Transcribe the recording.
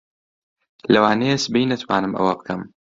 لەوانەیە سبەی نەتوانم ئەوە بکەم.